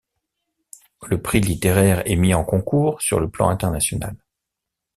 Le prix littéraire est mis en concours sur le plan international.